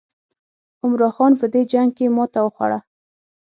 عمرا خان په دې جنګ کې ماته وخوړه.